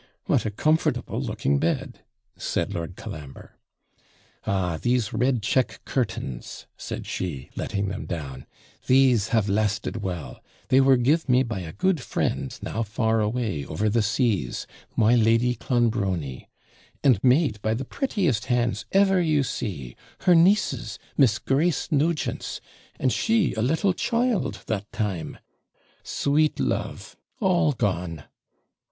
'What a comfortable looking bed!' said Lord Colambre. 'Ah, these red check curtains,' said she, letting them down; 'these have lasted well; they were give me by a good friend, now far away, over the seas my Lady Clonbrony; and made by the prettiest hands ever you see, her niece's, Miss Grace Nugent's, and she a little child that time; sweet love! all gone!'